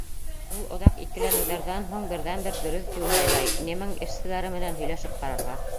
Ул, оҙаҡ икеләнеүҙәрҙән һуң, берҙән-бер дөрөҫ юл һайлай: немең эшселәре менән һөйләшеп ҡарарға!